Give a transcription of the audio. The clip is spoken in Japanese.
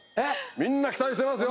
みんな期待してますよ。